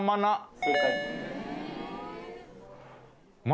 正解。